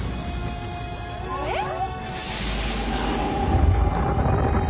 えっ！？